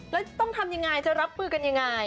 แล้วต้องทำยังไงจะรับมือกันยังไง